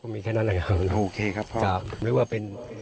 โอเคครับพ่อ